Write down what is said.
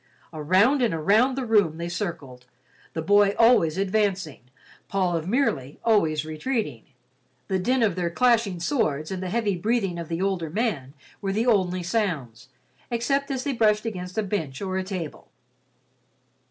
Around and around the room they circled, the boy always advancing, Paul of Merely always retreating. The din of their clashing swords and the heavy breathing of the older man were the only sounds, except as they brushed against a bench or a table.